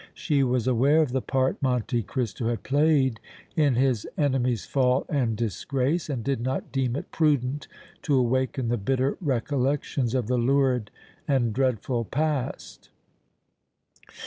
She was aware of the part Monte Cristo had played in his enemy's fall and disgrace, and did not deem it prudent to awaken the bitter recollections of the lurid and dreadful past.